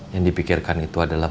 yang dipikirkan itu adalah